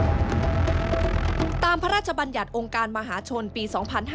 ซึ่งกลางปีนี้ผลการประเมินการทำงานขององค์การมหาชนปี๒ประสิทธิภาพสูงสุด